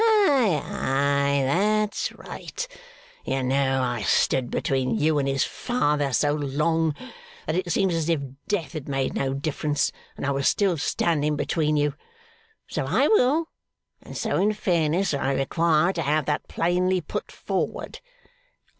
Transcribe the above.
Ay, ay! That's right! You know I stood between you and his father so long, that it seems as if death had made no difference, and I was still standing between you. So I will, and so in fairness I require to have that plainly put forward.